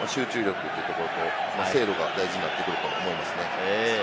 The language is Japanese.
集中力というところ、精度が大事になってくると思います。